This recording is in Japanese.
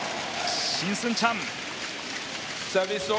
シン・スンチャンです。